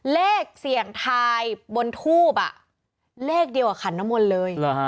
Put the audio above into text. เลขเสี่ยงทายบนทูบเลขเดียวกับขันนมลเลย